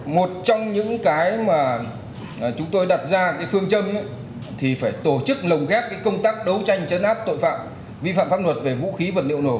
một trong những cái mà chúng tôi đặt ra cái phương châm thì phải tổ chức lồng ghép công tác đấu tranh chấn áp tội phạm vi phạm pháp luật về vũ khí vật liệu nổ